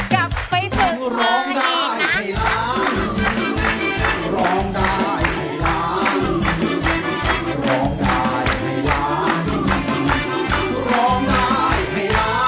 กลับไปฝึกเมืองนั่งเองน่ะ